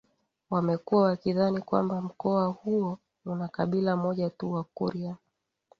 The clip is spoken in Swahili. wamekuwa wakidhani kwamba mkoa huo una kabila moja tu Wakurya